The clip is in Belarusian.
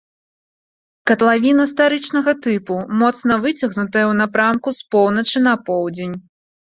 Катлавіна старычнага тыпу, моцна выцягнутая ў напрамку з поўначы на поўдзень.